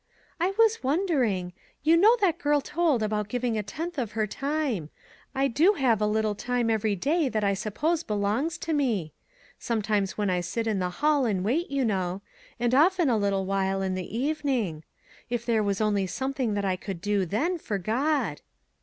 " I was wondering. You know that girl told about giving a tenth of her time. I do have a little time every day that I suppose be longs to me ; times when I sit in the hall and wait, you know ; and often a little while in the evening; if there was only something that I could do then, for God."